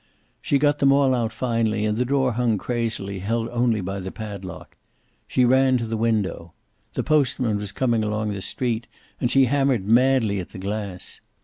She got them all out finally, and the door hung crazily, held only by the padlock. She ran to the window. The postman was coming along the street, and she hammered madly at the glass.